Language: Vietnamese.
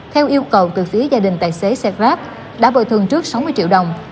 theo yêu cầu từ phía gia đình tài xế xe grab đã bồi thường trước sáu mươi triệu đồng